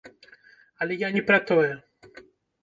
Але я не пра тое!